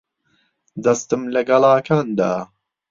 دەستم لە گەڵاکان دا.